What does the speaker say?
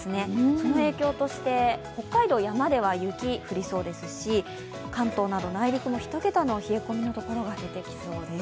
その影響として北海道、山では雪が降りそうですし関東など内陸も１桁の冷え込みの所が出てきそうです。